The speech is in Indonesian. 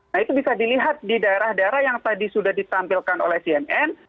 nah itu bisa dilihat di daerah daerah yang tadi sudah ditampilkan oleh cnn